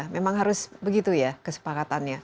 memang harus begitu ya kesepakatannya